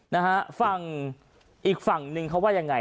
นะฮะฝั่งอีกฝั่งนึงเขาว่ายังไง